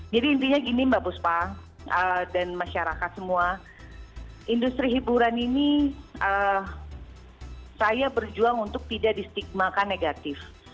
jadi intinya gini mbak buspa dan masyarakat semua industri hiburan ini saya berjuang untuk tidak distigmakan negatif